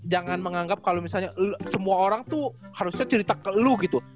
jangan menganggap kalo misalnya semua orang tuh harusnya cerita ke lo gitu